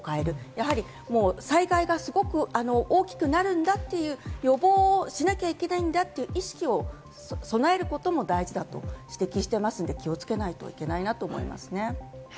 やはり災害がすごく大きくなるんだという、予防をしなきゃいけないんだという意識を備えることも大事だと指摘していますので、気をつけないといけないなと思いますね。